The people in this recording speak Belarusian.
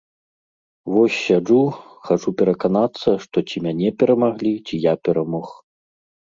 Вось, сяджу, хачу пераканацца, што ці мяне перамаглі, ці я перамог.